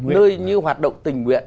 nơi như hoạt động tình nguyện